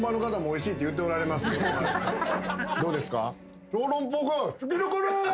どうですか？